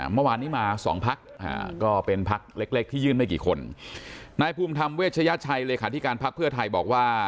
เมื่อวานนี้มาสองพักก็เป็นพักเล็กเล็กที่ยื่นไม่กี่คนนายภูมิธรรมเวชยชัยเลขาธิการพักเพื่อไทยบอกว่า